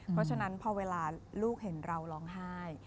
เพราะฉะนั้นพอเวลาลูกเห็นเราร้องไห้